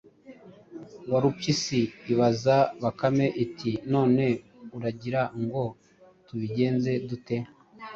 Warupyisi ibaza Bakame iti: “None uragira ngo tubigenze dute?”